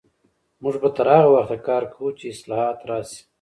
موږ به تر هغه وخته کار کوو چې اصلاحات راشي.